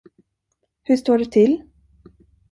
Hur står det till?